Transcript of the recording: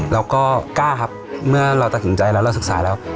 เราก็กล้าครับเมื่อเราตัดสินใจแล้วเราศึกษาแล้ว